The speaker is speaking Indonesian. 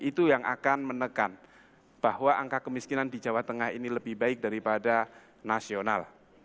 itu yang akan menekan bahwa angka kemiskinan di jawa tengah ini lebih baik daripada nasional